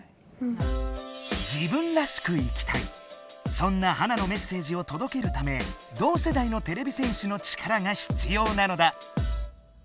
そんなハナのメッセージをとどけるため同世代のてれび戦士の力が必要なのだ！